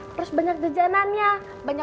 terus banyak jajanannya